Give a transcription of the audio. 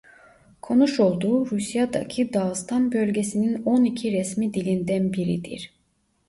Konuşulduğu Rusya'daki Dağıstan bölgesinin on iki resmi dilinden biridir.